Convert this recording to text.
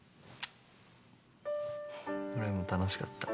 俺も楽しかった。